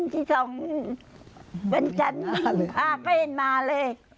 เห็นจันอาเฟนมาเลย